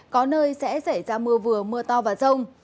có nơi sẽ xảy ra mưa vừa mưa to và rông